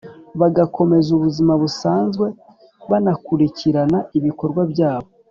Bagakomeza ubuzima busanzwe banakurikirana ibikorwa byabo